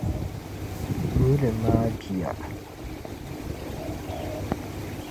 Nyuli maa biya.